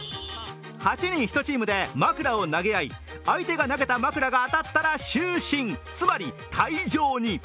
８人１チームで枕を投げ合い、相手が投げた枕が当たったら就寝、つまり退場に。